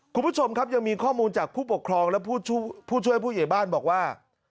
คุณผู้ชมครับยังมีข้อมูลจากผู้ปกครองและผู้ช่วยผู้ใหญ่บ้านบอกว่า